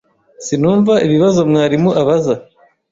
Sinumva ibibazo mwarimu abaza.